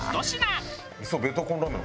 味噌ベトコンラーメン